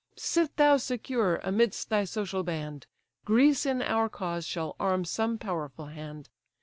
Sit thou secure, amidst thy social band; Greece in our cause shall arm some powerful hand.